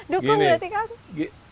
dukung berarti kak